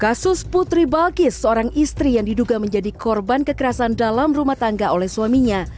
kasus putri balkis seorang istri yang diduga menjadi korban kekerasan dalam rumah tangga oleh suaminya